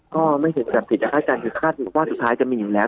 ก็ไม่ถึงจากผิดจากคาดการณ์คาดว่าสุดท้ายจะมีอยู่แล้ว